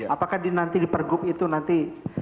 apakah nanti di per gub itu nanti